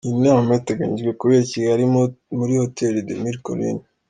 Iyi nama iteganyijwe kubera i Kigali, muri Hotel des Mille colines.